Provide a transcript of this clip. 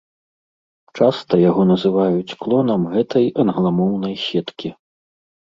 Часта яго называюць клонам гэтай англамоўнай сеткі.